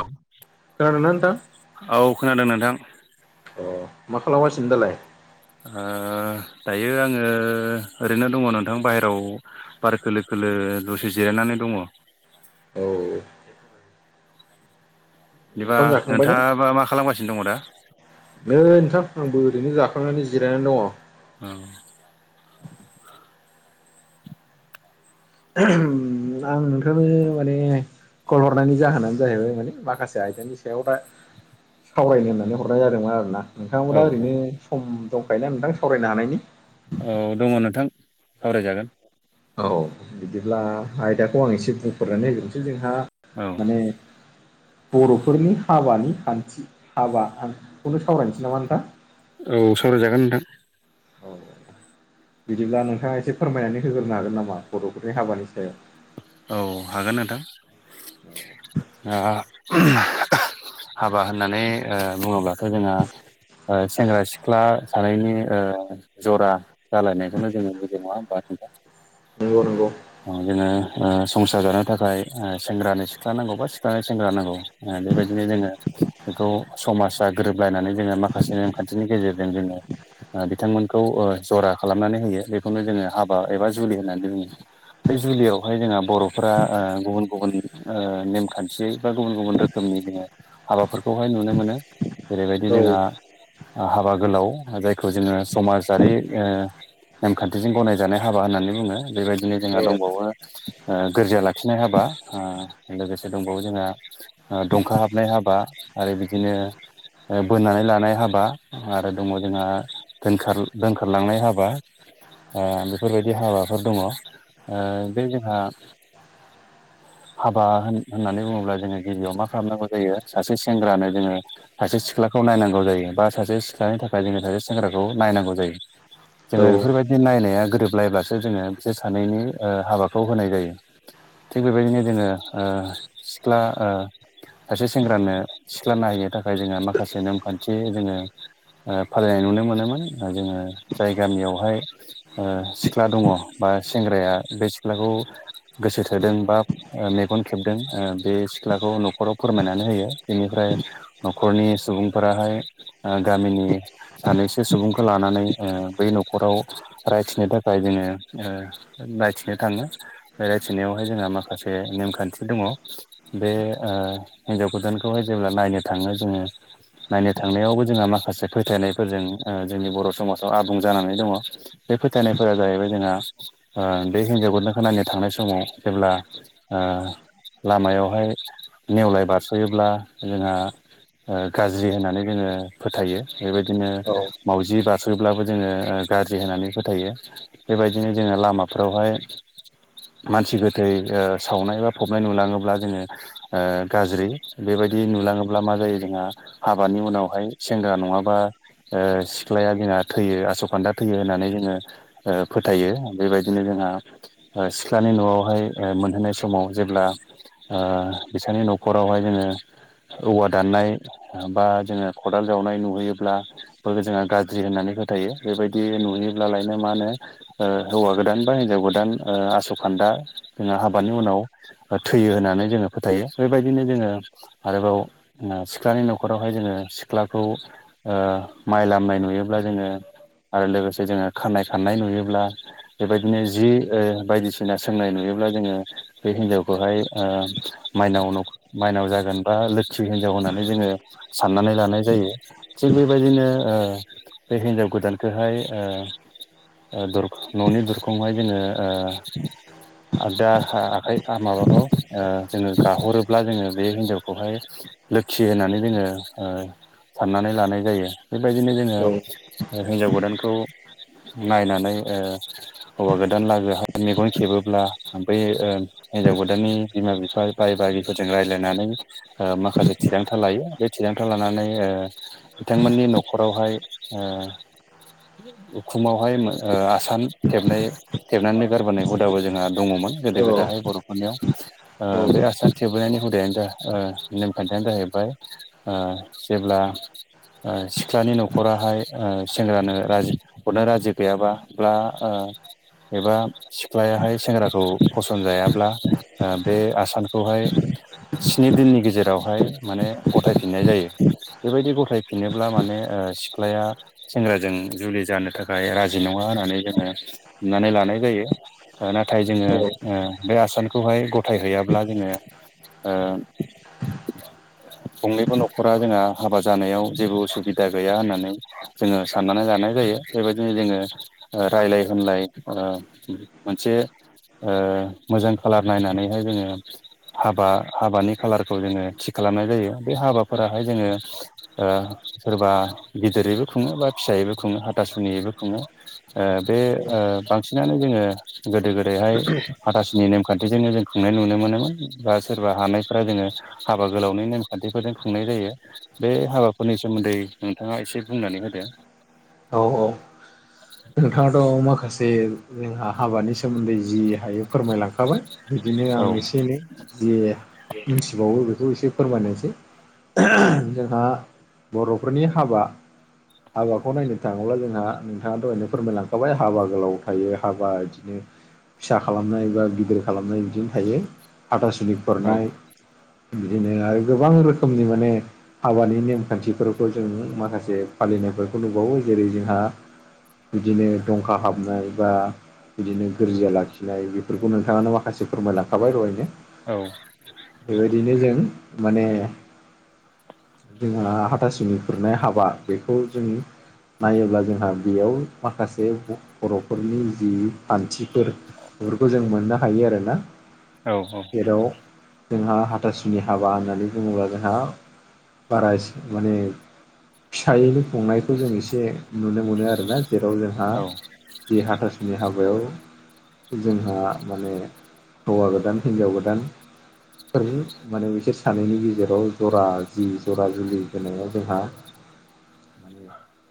औ। खोनादोंना नोंथां औ खोनादों नोंथां। अ मा खालामगासिनो दालाय? ओ दायो आङो ओरैनो दङ नोंथां बाहेरायाव बार खोलो खोलो दसे जिरायनानै दङ। औ। बिदिबा ओंखाम जाखांबाय ने नोंथाङाबा मा खालामगासिनो दङ दा? नै नोंथां आंबो ओरैनो जाखांनानै जिरायनानै दङ। औ। [unintelligible] आं नोंथां नो माने कल हरनायनि जाहोनानो जाहैबाय माने माखासे आयदानि सायाव रा सावरायनो होननानै हरनाय जादोंमोन आरोना नोंथाङाबो औ दा औ ओरैनो सम दंखायोना नोंथां सावरायनो हानायनि? औ दङ नोंथां सावराय जागोन। औ बिदिब्ला आयदाखौ आं एसे बुंफोरनानै होग्रोनोसै जोंहा औ। माने। बर'फोरनि हाबानि खान्थि हाबा खौनो सावरायनोसै नामा नोंथां? औ सावराय जागोन नोंथां। औ औ बिदिब्ला नोंथाङा एसे फोरमायनानै होग्रोनो हागोन नामा बर'फोरनि हाबानि सायाव? औ हागोन नोंथां आ [unintelligible] हाबा होननानै ओ बुङोब्लाथ' जोङा ओ सेंग्रा सिख्ला सानैनि ओ जरा जालायनायखौनो जोङो बुजियो नङा होमबा नोंथां नंगौ नंगौ औ जोङो। ओ संसार जानो थाखाय ओ सेंग्रानो सिख्ला नांगौ बा सिख्लानो सेंग्रा नांगौ ओ बेबायदिनो जोङो बेखौ समाजा गोरोबलायनानै जोङो माखासे नेमखान्थिनि गेजेरजों जोङो ओ बिथांमोनखौ ओ जरा खालामनानै होयो बेखौनो जोङो हाबा एबा जुलि होननानै बुङो। बे जुलियाव बेवहाय जोंहा बर'फोरा ओ गुबुन गुबुन ओ नेमखान्थियै बा गुबुन गुबुन रोखोमनि जोङो हाबाफोरखौहाय नुनो मोनो जेरैबायदि औ जोंहा हाबा गोलाव जायख खौ जोङो समाजारि ओ नेमखान्थिजों गनायजानाय हाबा होननानै बुङो। बेबायदिनो जोंहा औ दंबावो ओ गोरजिया लाखिनाय हाबा ओ लोगोसे दंबावो जोंहा ओ दंखा हाबनाय हाबा आरो बिदिनो ओ बोननानै लानाय हाबा आरो दङ जोंहा दोनखार दोनखारलांनाय हाबा ओ बेफोरबायदि हाबाफोर दङ ओ बे जोंहा हाबा होन होननानै बुङोब्ला जोङो गिबियाव मा खालामनांगौ जायो सासे सेंग्रानो जोङो सासे सिख्लाखौ नायनांगौ जायो बा सासे सिख्लानि थाखाय जोङो सासे सेंग्राखौ नायनांगौ जायो औ जोङो बेफोरबायदि नायनायआ गोरोबलायब्लासो जोङो बिसोर सानैनि ओ हाबा खौ होनाय जायो थिग बेबायदिनो जोङो ओ सिख्ला ओ सासे सेंग्रानो सिख्ला नायहैनो थाखाय जोङा माखासे नेमखान्थि जोङो ओ फालिनाय नुनो मोनोमोन जोङो जाय गामियावहाय ओ सिख्ला दङ बा सेंग्राया बे सिख्लाखौ गोसो थोदों बा ओ मेगन खेबदों ओ बे सिख्लाखौ न'खराव फोरमायनानै होयो बेनिफ्राय न'खरनि सुबुंफोराहाय ओ गामिनि सानैसो सुबुंखौ लानानै ओ बै न'खराव रायथिनो थाखाय जोङो ओ नायथिनो थाङो ओ रायथिनायावहाय जोंहा माखासे नेमखान्थि दङ बे ओ हिनजाव गोदानखौहाय जेब्ला नायनो थाङो जोङो नायनो थांनायावबो जोंहा माखासे फोथायनायफोरजों ओ जोंनि बर' समाजाव आबुं जानानै दङ बे फोथायनायफोरा जाहैबाय जोंहा ओ दै हिनजाव गोदानखो नायनो थांनाय समाव जेब्ला ओ लामायावहाय नेवलाय बारस'योब्ला जोंहा। ओ गाज्रि होननानै जोङो फोथायो बेबायदिनो। औ मावजि बारसोब्लाबो जोङो ओ गाज्रि होनानै फोथायो बेबायदिनो जोङो लामाफ्रावहाय मानसि गोथै यो सावनाय बा फबनाय नुलाङोब्ला जोङो ओ गाज्रि बेबायदि नुलाङोब्ला मा जायो जोंहा हाबानि उनावहाय सेंग्रा नङाबा ओ सिख्लाया जोंहा थैयो आस' खान्दा थैयो होननानै जोङो ओ फोथायो बेबायदिनो जोंहा ओ सिख्लानि न'आवहाय ओ मोनहैनाय समाव जेब्ला ओयो बिसानि न'खरावहाय जोङो औवा दाननाय बा जोङो खदाल जावनाय नुहैयोब्ला फोरखौ जोंहा गाज्रि होननानै फोथायो बेबायदि नुयोब्लालायनो मानो ओ हौवा गोदान बा हिनजाव गोदान ओ आस खान्दा जोंहा हाबानि उनाव। थैयो होननानै जोङो फोथायो बेबायदिनो जोङो आरोबाव ओ सिख्लानि न'खरावहाय जोङो सिख्लाखौ ओ माइ लामनाय नुयोब्ला जोङो आरो लोगोसे जोङो खानाय खाननाय नुयोब्ला बेबायदिनो जि ओ बायदिसिना सोंनाय नुयोब्ला जोङो बे हिन्जावखौहाय ओ माइनाव न माइनाव जागोन बा लोखि हिनजाव होननानै जोङो साननानै लानाय जायो। थिग बेबायदिनो ओ बे हिनजाव गोदानखौहाय ओ। ओ दहर न'नि दरखंहाय बिनो ओयो। आ दाहा आखाइ माबाखौ ओ जोङो गाहरोब्ला जोङो बे हिन्जावखौहाय लोखि होननानै जोङो ओ साननानै लानाय जायो बेबायदिनो जोङो। औ ओ हिनजाव गोदानखौ नायनानै ओ हौवा गोद दान लागोहा मेगन खेबोब्ला बै ओ हिनजाव गोदाननि बिमा बिफा बाय बाहागिफोरजों रायलायनानै। ओ माखासे थिरांथा लायो बे थिरांथा लानानै ओ। बिथांमोननि न'खरावहाय ओ। उखुमावहाय मो ओ आसान खेबनाय थेबनानै गारबोनाय हुदाबो जोंहा दङमोन गोदो औ गोदाहाय बर'फ हरनायाव ओ औ बे आसान थेबबोनायनि हुदायानो जा ओ नेमखान्थियानो जाहैबाय ओ जेब्ला ओ सिख्लानि न'खराहाय ओ सेंग्रानो राजि हरनो राजि गैयाबा ब्ला ओ। एबा सिख्लायाहाय सेंग्राखौ फसन जायाब्ला ओ बे आसानखौहाय स्नि दिननि गेजेरावहाय माने गथायफिननाय जायो। बेबायदि गथायफिनोब्ला माने ओ सिख्लाया। सेंग्राजों जुलि जानो थाखाय राजि नङा होननानै जोङो नानै लानाय जायो ओ नाथाय जोङो ओ। बे आसानखौहाय गथायहैयाब्ला जोङो ओ [unintelligible] गंनैबो न'खरा जोंहा हाबा जानायाव जेबो उसुबिदा गैया होननानै जोङो साननानै लानाय जायो बेबायदिनो जोङो ओ रायलाय होनलाय। ओं मोनसे ओयो मोजां खालार नायनानैहाय जोङो। हाबा हाबानि खालारखौ जोङो थि खालामनाय जायो बे हाबाफोराहाय जोङो। ओ सोरबा गिदिरैबो खुङो बा फिसायैबो खुङो हाथासुनियैबो खुङो। ओ बे ओ बांसिनानो जोङो गोदो गोदायहाय हाथासुनि नेमखान बेजोंनो जों खुंनाय नुनो मोनोमोन बा सोरबा हानायफ्रा जोङो। हाबा गोलावनि नेमखान्थिफोरजों खुंनाय जायो। बे हाबाफोरनि सोमोन्दै नोंथाङा एसे बुंनानै होदो। औ औ नोंथाङाथ' माखासे जोंहा हाबानि सोमोन्दै जि हायो फोरमायलांखाबाय बिदिनो औ आं एसे एनै जे मिथिबावो बेखौ एसे फोरमायनायसै जोंहा बर'फोरनि हाबा हाबाखौ नायनो थाङोब्ला जोंहा थाङाथ' ओरैनो फोरमायलांखाबाय हाबा गोलाव थायो हाबा इदिनो फिसा खालामनाय बा गिदिर खालामनाय बिदिनो थायो हाथासुनि औ खुरनाय बिदिनो आरो गोबां रोखोमनि माने हाबानि नेमखान्थिफोरखौ जों माखासे फालिनायफोरखौ नुबावो जेरै जोंहा बिदिनो दंखा हाबनाय बा बिदिनो गोरजिया लाखिनाय बेफोरखौ नोंथाङानो माखासे फोरमायलांखाबाय दहायनो। औ बेबायदिनो जों माने जोंहा हाथासुनि खुरनाय हाबा बेखौ जों नायोब्ला जोंहा बेयाव माखासे ब-बर'फोरनि जि खान्थिफोर बेफोरखौ जों मोननो हायो आरो ना। औ औ जेराव जोंहा हाथासुनि हाबा होननानै बुङोब्ला जोंहा बारा एसे माने फिसायैनो खुंनायखौ जों एसे नुनो मोनो आ रोना जेराव जोंहा औ जि हाथासुनि हाबायाव जोंहा माने हौवा गोदान हिनजाव गोदान फोरजि माने बिसोर सानैनि गेजेराव जरा जि जरा जुलि होनायाव जोंहा [inaudible]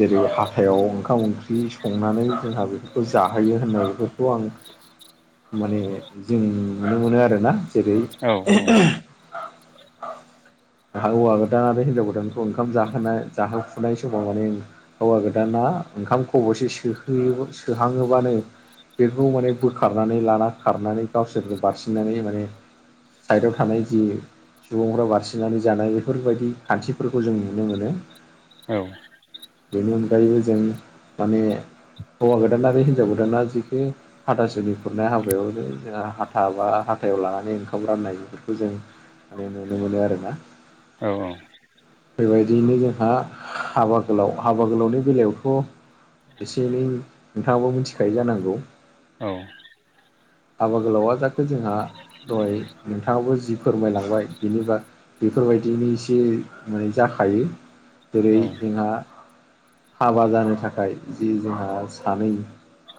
जेरै फाखायाव ओंखाम ओंख्रि सं संनानै जोंहा बेफोरखौ जाहोयो होननाय बेफोरखौ आं माने जोंनि नुनो मोनो आरोना जेरै औ औ हौवा गोदान आरो हिनजाव गोदानखौ ओंखाम जाहोनाय जाहोफुनाय समाव माने हौवा गोदान ना ओंखाम खबसे सोहो सोहाङोबानो बेखौ माने बोखारनानै लाना खारनानै गावसोरबो बारसिननानै माने साइडआव थानाय जि सुबुंफ्रा बारसिनानै जानाय बेफोरबायदि खान्थिफोरखौ जों नुनो मोनो। औ बेनि अनगायैबो जों माने हौवा गोदान आरो हिनजाव गोदाना जिखि हाथासुनि खुरनाय हाबायावनो जोंहा हाथा बा हाथायाव लानानै ओंखाम राननाय बेफोरखौ जों माने नुनो मोनो आरोना। औ औ बेबायदियैनो जोंहा हाबा गोलाव हाबा गोलावनि बेलायावथ' एसे एनै नोंथाङाबो मिथिखायो जानांगौ औ हाबा गोलावा जाखो जोंहा दहाय नोंथाङाबो जि फोरमायलांबाय बिनिबा बेफोरबायदिनो एसे माने जाखायो औ जेरै जोंहा हाबा जानो थाखाय जि जोंहा सानै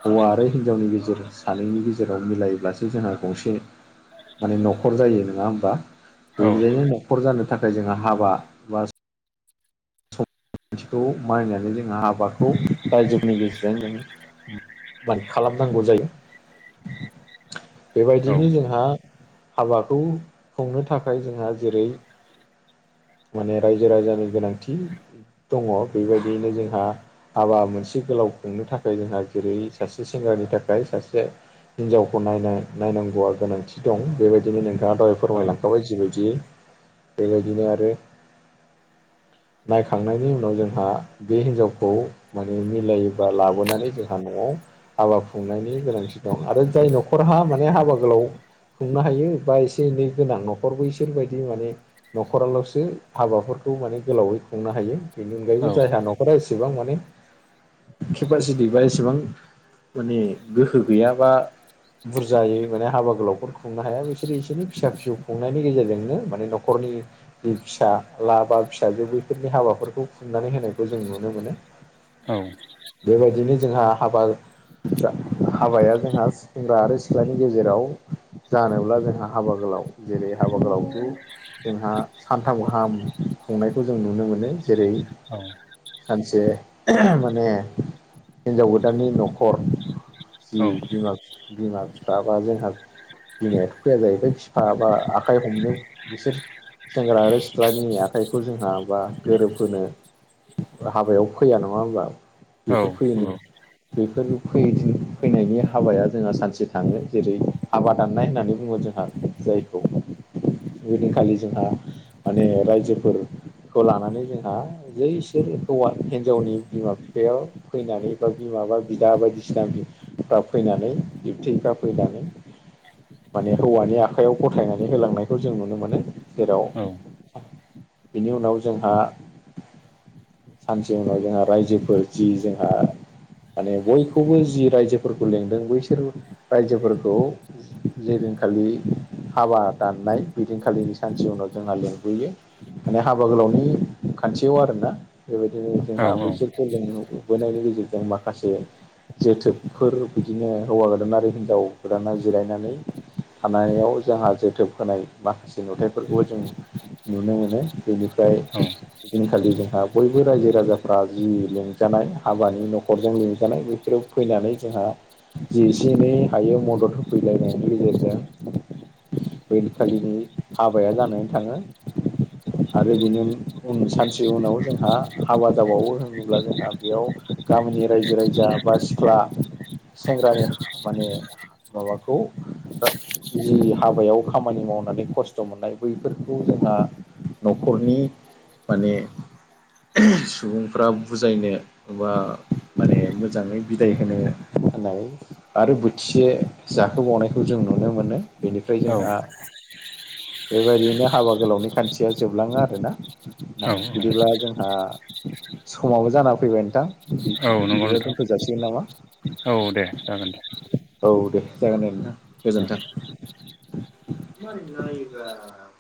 हौवा आरो हिनजावनि गेजेर सानैनि गेजेराव मिलायोब्लासो जोंहा गंसे माने न'खर जायो नोङा होनोमबा औ बेनिजायनो न'खर जानो थाखाय जोङो हाबा थिखौ मानिनानै जोंहा हाबाखौ रायजोनि गेजेरजों जों मान खालामनांगौ जायो। औ बेबायदिनो जोंहा हाबाखौ खुंनो थाखाय जोंहा जेरै माने रायजो राजानि गोनांथि दङ' बेबायदियैनो जोंहा हाबा मोनसे गोलाव खुंनो थाखाय जोंहा जेरै सासे सेंग्रानि थाखाय सासे हिनजावखौ नायना नायनांगौआ गोनांथि दं बेबायदिनो नोंथ दह औ फोरमायलांखाबाय जिबायदिै बेबायदिनो आरो नायखांनायनि उनाव जोंहा बे हिनजावखौ माने मिलायोबा लाबोनानै जोंहा न'आव हाबा खुंनायनि गोनांथि दं आरो जाय न'खरहा माने हाबा गोलाव खुंनो हायो बा एसे एनै गोनां न'खरबो इसोरबायदि माने न'खराल' ो हाबाफोरखौ माने गोलावै खुंनो हायो बेनि अनगायैबो औ जायहा न'खरा एसेबां माने केपासिटि बा एसेबां माने गोहो गैयाबा बुरजायै माने हाबा गोलाव खुंनो हाया बिसोरो एसोरनि फिसा फिसौ खुंनायनि गेजेरजोंनो माने न'खरनि दै फिसा लाबा फिसाजो बेफोरनि हाबाफोरखौ खुनानै होनायखौ जों नुनो मोनो औ बेबायदिनो जोंहा हाबा जा हाबाया जोंहा सेंग्रा आरो सिख्लानि गेजेराव जानोब्ला जोंहा हाबा गोलाव जेरै हाबा गोलावखौ जोंहा सानथाम गाहाम खुंनायखौ जों नुनो मोनो जेरै औ सानसे माने हिन्जाव गोदाननि न'खर जि औ बिम बिम ज बिमायाथ' फैया जाहैबाय बिफा बा आखाइ हमनो बिसोर सेंग्रा आरो सिख्लानि आखाइखौ जोंहा बा गोरोबहोनो हाबायाव फैया नङा होमबा नंगौ औ बेफोर फैयोोन बेफोर फैनायनि हाबाया जोंहा सानसे थाङो जेरै हबादाननाय होननानै बुङो जोंहा जायखौ ओदिनखालि जोंहा माने रायजोफोरखौ लानानै जोंहा जै इसोर हौवा हिनजावनि बिमा बिफायाव फैनानै बा बिमााबा बिदा बायदिसिना दा फैनानै एबटिफ्रा फैनानै माने हौवानि आखाइायाव गथायनानै होलांनायखौ जों नुनो मोनो जेराव बेनि उनाव जोंहा सानसे उनाव जोंहा रायजोफोर जि जोंहा माने बयखौबो जि रायजोफोरखौ लेंदों बैसोर रायजोफोरखौ जे दिनखालि हाबा दाननाय बेदिनखालिनि सानसे उनाव जोंहा लिंबोयो माने हाबा गोलावनि खान्थियाव आरोना बेबायदिनो जोंहा बैसोरखौ लोंबोनायनि गेजेरजों माखासे जोथोबफोर बिदिनो हौवा गोदान आरो हिनजाव गोदाना जिरायनानै थानायाव जोंहा जोथोब होनाय माखासे जों नुथायाइफोरखौबो जों नुनो मोनो बेनिफ्राय इदिनखालि जोंहा बयबो रायजो राजाफ्रा जि लेंंजानाय हाबानि न'खरजों लिेंजानाय बे बेयाव फैनानै जोंहा जिसे एनै हायो मदद होफैलायनायनि गेजेरजों बेै खालिनि हाबाया जानानै थाङो आरो बेनि उ उन सानसे उनाव जोंहा हाबा जाबावो होनोब्ला जोंहा बेयाव गामिनि रायजो राजा बा सिख्ला सेंग्रानि माने माबाखौ जि हाबायाव खामानि मावनानै खस खस्थ' मोननाय बैफोरखौ जोंहा न'खरनि माने सुबुंफ्रा बुजायनो बा ओ माने मोजाङै बिदाय होनो होनाय आरो बोथिसे जाखोबावनायखौ जों नुनो मोनो बेनिफ्राय जोंहा बेबायदियैनो हाबा गोलावनि खान्थिया जोबलाङो आरो ना औ ना बिदिब्ला जोंहा समावो जाना फैबाय नोंथां औ नंगौ इदिबा नोंथां दोनथ' जासिगोन नामा? औ दे जागोन दे। औ दे जागोन दे औ नोंथां गोजोनथों। दा